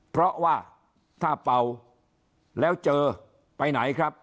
เพราะว่าถ้าเป่าแล้วเจอไปไหนครับ